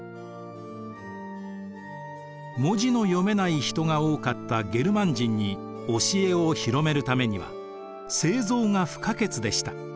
文字の読めない人が多かったゲルマン人に教えを広めるためには聖像が不可欠でした。